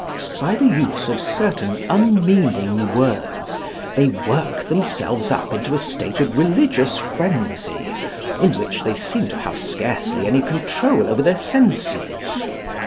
By the use of certain unmeaning words they work themselves up into a state of religious frenzy, in which they seem to have scarcely any control over their senses.